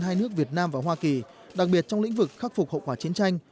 hai nước việt nam và hoa kỳ đặc biệt trong lĩnh vực khắc phục hậu quả chiến tranh